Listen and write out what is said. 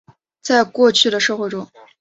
在过去的社会中。